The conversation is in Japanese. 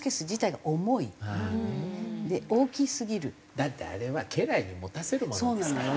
だってあれは家来に持たせるものですから。